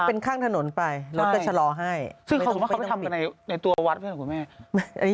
เป็นข้างถนนไปรถก็จะรอให้ซึ่งเขาสมมติเขาไปทำกันในในตัววัดเพื่อนคุณแม่